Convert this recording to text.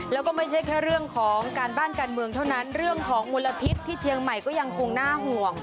แล้วก็ไม่ใช่แค่เรื่องของการบ้านการเมืองเท่านั้นเรื่องของมลพิษที่เชียงใหม่ก็ยังคงน่าห่วง